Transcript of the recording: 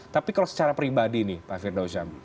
tapi kalau secara pribadi nih pak firdausyam